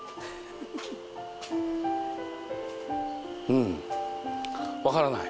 Δ鵝分からない。